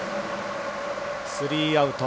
スリーアウト。